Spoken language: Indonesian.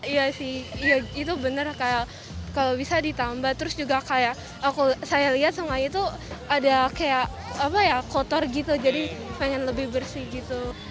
iya sih itu bener kalau bisa ditambah terus juga kayak saya lihat semuanya itu ada kayak kotor gitu jadi pengen lebih bersih gitu